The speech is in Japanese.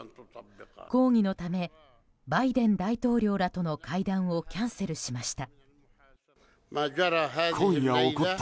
抗議のためバイデン大統領らとの会談をキャンセルしました。